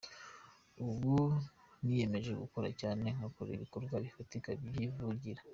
Ubu niyemeje gukora cyane, ngakora ibikorwa bifatika byivugira,.